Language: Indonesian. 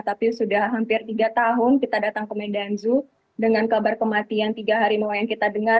tapi sudah hampir tiga tahun kita datang ke medan zoo dengan kabar kematian tiga harimau yang kita dengar